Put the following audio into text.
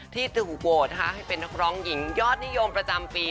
ที่เจอภูเกียร์โควดค่ะให้เป็นครองหญิงยอดนิยมประจำปี